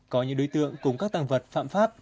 có những đối tượng cùng các tăng vật phạm pháp